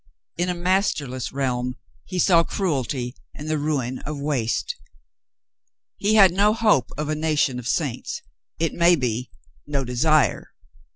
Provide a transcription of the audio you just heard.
In a masterless realm he saw cruelty and the ruin of waste. He had no hope of a nation of saints, it may be, no desire.